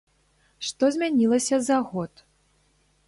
Што змянілася за год?